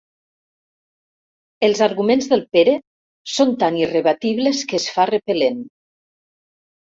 Els arguments del Pere són tan irrebatibles que es fa repel·lent.